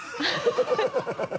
ハハハ